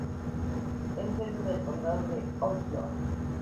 Es sede del condado de Onslow.